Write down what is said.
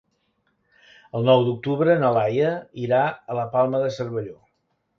El nou d'octubre na Laia irà a la Palma de Cervelló.